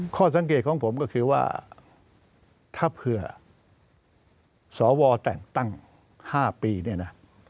ข้อสังเกตของผมก็คือว่าถ้าเผื่อสวแต่งตั้ง๕ปีเนี่ยนะ